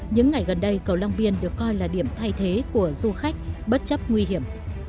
những ngày gần đây cầu long biên được coi là điểm thay thế của du khách bất chấp nguy hiểm